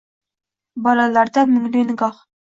Bolalarda mungli nigoh.